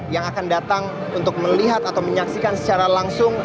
yang akan datang untuk melihat atau menyaksikan secara langsung